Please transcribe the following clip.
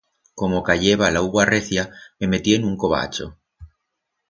Como cayeba l'augua recia, me metié en un covacho.